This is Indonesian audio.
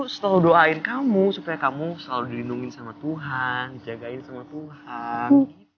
setelah doain kamu supaya kamu selalu dilindungi sama tuhan dijagain sama tuhan